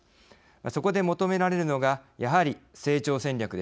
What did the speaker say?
そこで求められるのがやはり成長戦略です。